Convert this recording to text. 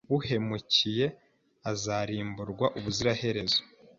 Uhemukiye azarimburwa ubuziraherezo